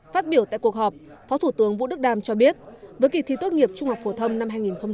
phát biểu tại cuộc họp phó thủ tướng vũ đức đam cho biết với kỳ thi tốt nghiệp trung học phổ thông năm hai nghìn hai mươi